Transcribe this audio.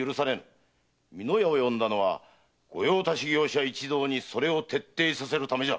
美濃屋を呼んだのは御用達業者一同にそれを徹底させるためじゃ。